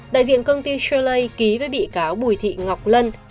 đại diện công ty sche ký với bị cáo bùi thị ngọc lân